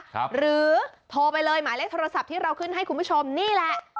หรือโทรไปเลยหมายเลขโทรศัพท์ที่เราขึ้นให้คุณผู้ชมนี่แหละ